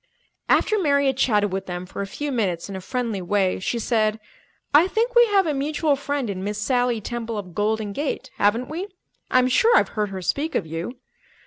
After Mary had chatted with them for a few minutes in a friendly way, she said, "I think we have a mutual friend in Miss Sally Temple of Golden Gate, haven't we? I'm sure I've heard her speak of you."